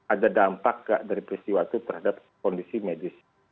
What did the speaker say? ada dampak gak dari peristiwa itu terhadap kondisi medis